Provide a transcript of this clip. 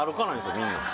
みんな。